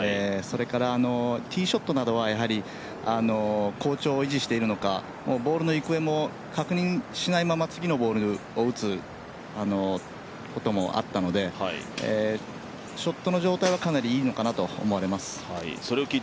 それから、ティーショットなどは好調を維持しているのか次のボールを打つこともあったので、ショットの状態はかなりいいのかなと思われます。